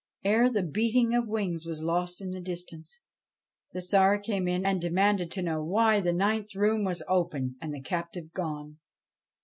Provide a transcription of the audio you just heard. Ere the beating of wings was lost in the distance, the Tsar came in and demanded to know why the ninth room was open and the captive gone.